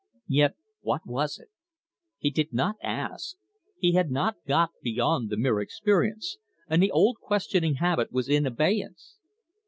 Yet what was it? He did not ask; he had not got beyond the mere experience, and the old questioning habit was in abeyance.